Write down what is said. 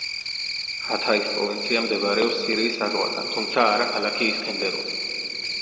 ჰათაის პროვინცია მდებარეობს სირიის საზღვართან, თუმცა არა ქალაქი ისქენდერუნი.